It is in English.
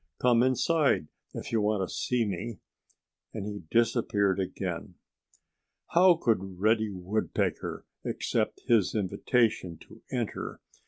Come inside if you want to see me!" And he disappeared again. How could Reddy Woodpecker accept his invitation to enter?